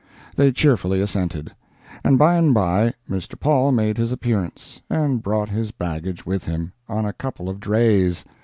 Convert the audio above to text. They cheerfully assented. And by and by Mr. Paul made his appearance, and brought his baggage with him, on a couple of drays.